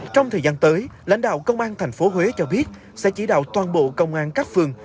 trong thời gian tới lãnh đạo công an tp huế cho biết sẽ chỉ đạo toàn bộ công an các phường